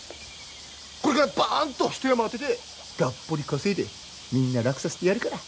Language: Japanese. これからバーンと一山当ててがっぽり稼いでみんな楽させてやるから。